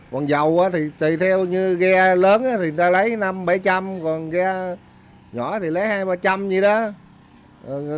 còn dầu thì tùy theo như ghe lớn thì người ta lấy năm bảy trăm linh còn ghe nhỏ thì lấy hai ba trăm linh vậy đó